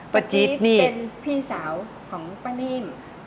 ปะจิ๊ดเป็นพี่สาวของป้าหนีม